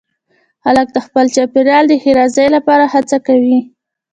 هلک د خپل چاپېریال د ښېرازۍ لپاره هڅه کوي.